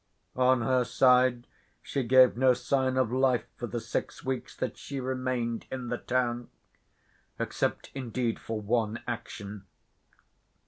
On her side she gave no sign of life for the six weeks that she remained in the town; except, indeed, for one action.